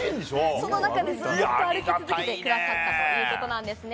その中でずっと歩き続けてくださったということなんですね。